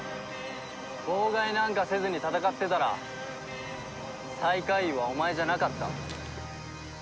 妨害なんかせずに戦ってたら最下位はお前じゃなかった。